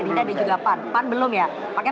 pak zulkifliasa bilang belok tanpa sen